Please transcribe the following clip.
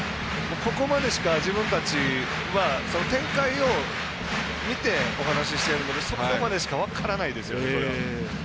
ここまでしか自分たちは展開を見てお話ししているのでそこまでしか分からないですよね。